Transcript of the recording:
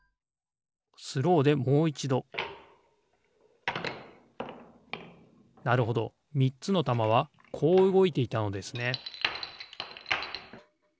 スローでもういちどなるほどみっつのたまはこううごいていたのですね